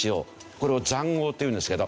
これを塹壕って言うんですけど。